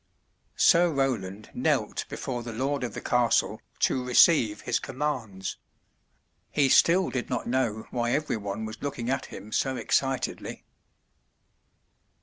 Sir Roland knelt before the lord of the castle to receive his commands. He still did not know why every one was looking at him so excitedly.